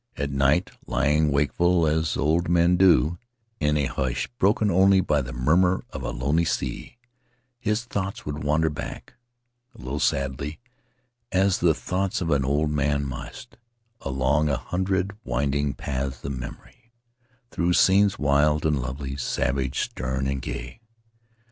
At night, lying wakeful as old men do, in a hush broken only by the murmur of a lonely sea, his thoughts would wander back — a little sadly, as the thoughts of an old man must — along a hundred winding paths of memory, through scenes wild and lovely, savage, stern, and gay.